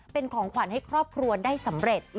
เป็นของขวัญให้ครอบครัวได้สำเร็จ